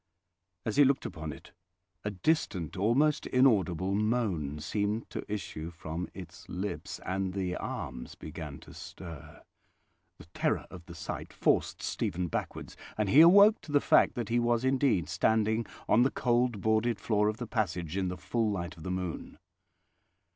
As he looked upon it, a distant, almost inaudible moan seemed to issue from its lips, and the arms began to stir. The terror of the sight forced Stephen backwards, and he awoke to the fact that he was indeed standing on the cold boarded floor of the passage in the full light of the moon.